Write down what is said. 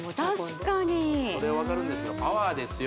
確かにそれは分かるんですけどパワーですよ